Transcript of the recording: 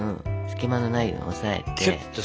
隙間のないように押さえて。